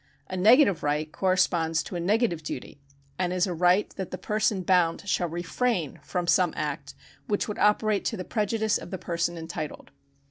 A negative right corresponds to a negative duty, and is a right that the person bound shall refrain from some act which would operate to the prejudice of the person entitled.